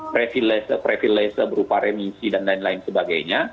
previlege previlege berupa remisi dan lain lain